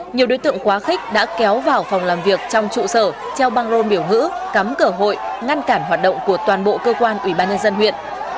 nhiều đối tượng quá khích đã kéo vào phòng làm việc trong trụ sở treo băng rôn biểu ngữ cắm cửa hội ngăn cản hoạt động của toàn bộ cơ quan ủy ban nhân dân huyện